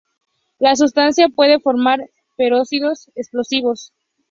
La sustancia puede formar peróxidos explosivos.